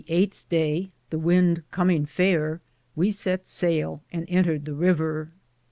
83 The 8 day, the wynde cominge faire, we sett saile, and entred the rever.